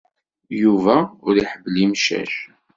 Yuba ur iḥemmel imcac.